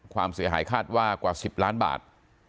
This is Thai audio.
ความเสียหายคาดว่ากว่า๑๐ล้านบาท